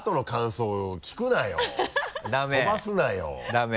ダメ？